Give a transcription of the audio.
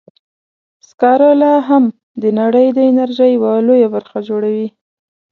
سکاره لا هم د نړۍ د انرژۍ یوه لویه برخه جوړوي.